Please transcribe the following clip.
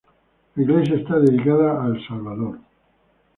La iglesia está dedicada a El Salvador.